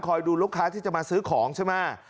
ดูลูกค้าที่จะมาซื้อของใช่ไหม